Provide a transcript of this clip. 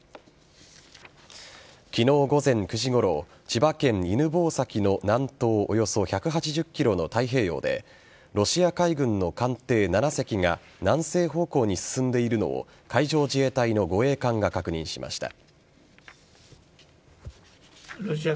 昨日午前９時ごろ千葉県犬吠埼の南東およそ１８０ｋｍの太平洋でロシア海軍の艦艇７隻が南西方向に進んでいるのを海上自衛隊の護衛艦が確認しました。